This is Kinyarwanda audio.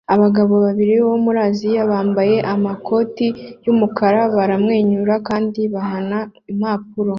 Abagabo babiri bo muri Aziya bambaye amakoti yumukara baramwenyura kandi bahana impapuro